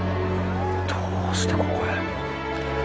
どうしてここへ？